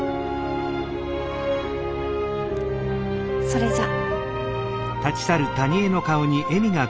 それじゃ。